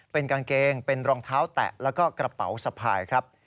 เป็นกางเกงเป็นรองเท้าแตะแล้วก็กระเป๋าสะพายครับ